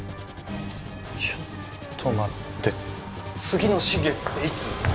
ちょっと待って次の新月っていつ？